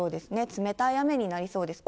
冷たい雨になりそうです。